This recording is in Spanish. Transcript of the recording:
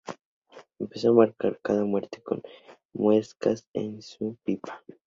Empezó a marcar cada muerte con muescas en su pipa.